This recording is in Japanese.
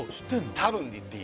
多分で言っていい？